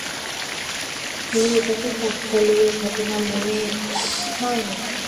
তোর এটাকে কাকতালীয় ঘটনা মনে হয়?